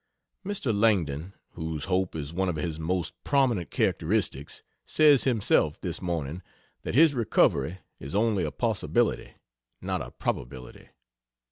Mr. Langdon, whose hope is one of his most prominent characteristics, says himself, this morning, that his recovery is only a possibility, not a probability.